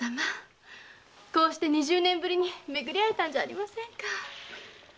こうして二十年ぶりに巡り会えたんじゃありませんか。